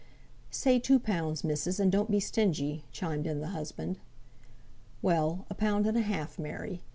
"Say two pounds, missis, and don't be stingy," chimed in the husband. "Well, a pound and a half, Mary.